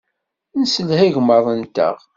Nesselha igmaḍ-nteɣ.